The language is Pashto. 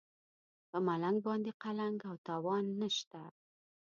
په ملنګ باندې قلنګ او تاوان نشته.